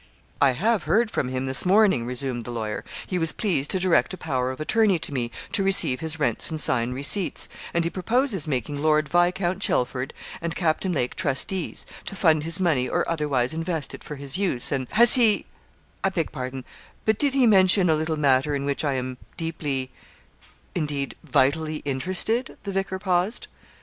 'I have heard from him this morning,' resumed the lawyer; 'he was pleased to direct a power of attorney to me to receive his rents and sign receipts; and he proposes making Lord Viscount Chelford and Captain Lake trustees, to fund his money or otherwise invest it for his use, and' 'Has he I beg pardon but did he mention a little matter in which I am deeply indeed, vitally interested?' The vicar paused.